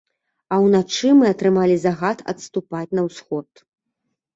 А ўначы мы атрымалі загад адступаць на ўсход.